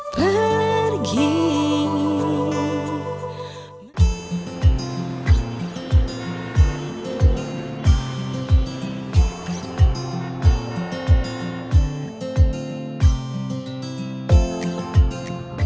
selamat pagi ya dadah